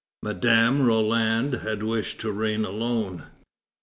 Madam Roland had wished to reign alone.